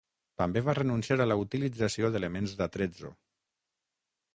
També va renunciar a la utilització d'elements d'attrezzo.